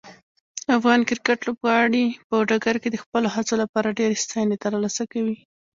افغان کرکټ لوبغاړي په ډګر کې د خپلو هڅو لپاره ډیرې ستاینې ترلاسه کوي.